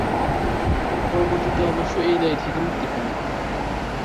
পরবর্তীতে অবশ্য এ দায় থেকে মুক্তি পান।